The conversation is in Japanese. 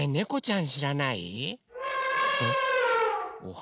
ん？